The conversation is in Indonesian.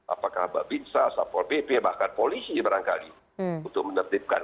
apakah binsa sapor bp bahkan polisi barangkali untuk menentipkan